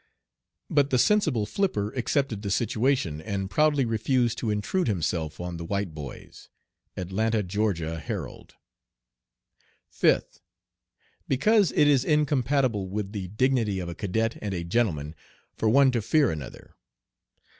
"But the sensible Flipper accepted the situation, and proudly refused to intrude himself on the white boys." Atlanta (Ga.) Herald. Fifth. Because it is incompatible with the dignity of a "cadet and a gentleman" for one to fear another.